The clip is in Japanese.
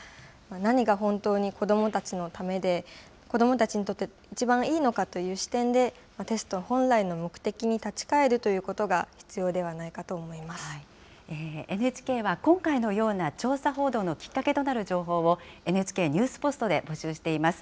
何が本当に子どもたちのためで、子どもたちにとって一番いいのかという視点で、テスト本来の目的に立ち返るということが必要ではＮＨＫは、今回のような調査報道のきっかけとなる情報を、ＮＨＫニュースポストで募集しています。